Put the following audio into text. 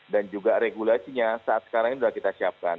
dan juga regulasinya saat sekarang ini sudah kita siapkan